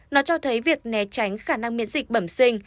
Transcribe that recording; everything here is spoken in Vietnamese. nó cho thấy việc né tránh khả năng miễn dịch bẩm sinh